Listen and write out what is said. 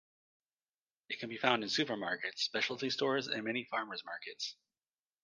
It can be found in supermarkets, specialty stores and many farmers' markets.